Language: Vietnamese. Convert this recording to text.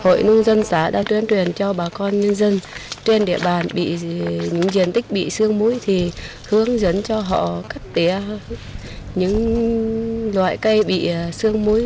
hội nông dân xã đã tuyên truyền cho bà con nhân dân trên địa bàn những diện tích bị sương muối thì hướng dẫn cho họ cắt tía những loại cây bị sương muối